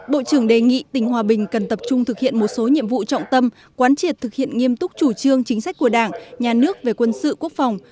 bộ trưởng đề nghị tỉnh hòa bình cần tập trung thực hiện một số nhiệm vụ trọng tâm quán triệt thực hiện nghiêm túc chủ trương chính sách của đảng nhà nước về quân sự quốc phòng